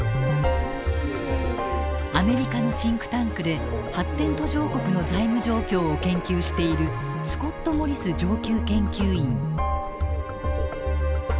アメリカのシンクタンクで発展途上国の財務状況を研究しているスコット・モリス上級研究員。